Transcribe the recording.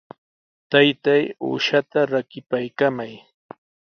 Taytay, uushaata rakipaykamay.